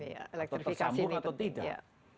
atau terkambung atau tidak